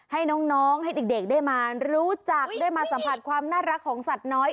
ให้น้องให้เด็กได้มารู้จักได้มาสัมผัสความน่ารักของสัตว์น้อย